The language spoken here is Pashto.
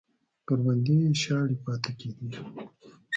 کروندې یې شاړې پاتې کېدې